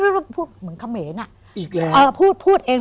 พูดพูดพูดเหมือนขเมนอ่ะอีกแล้วเออพูดพูดเอง